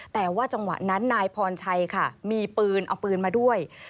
แต่ว่าจังหวะนั้นนายพรชัยค่ะมีปืนเอาปืนมาด้วย